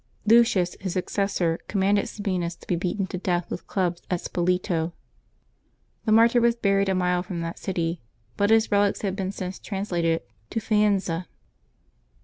Lucius, his successor, <;ommanded Sabinus to be beaten to death with clubs at Spoleto. The mart}T was buried a mile from that city, but his relics have been since translated to Faenza.